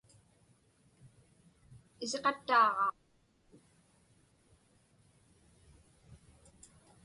Isiqattaaġaa.